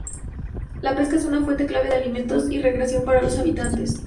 La pesca es una fuente clave de alimentos y recreación para los habitantes.